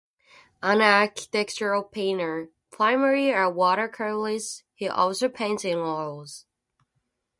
An architectural painter, primarily a watercolourist, he also paints in oils.